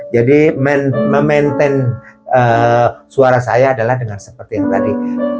jadi memanfaatkan suara saya dengan seperti tadi